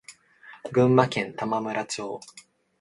群馬県玉村町